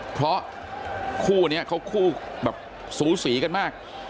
เพราะคู่นี้เขาคู่แบบสูสีกันมาก